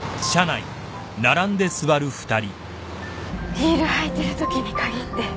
ヒール履いてるときに限って。